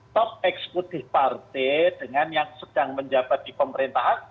top eksekutif partai dengan yang sedang menjabat di pemerintahan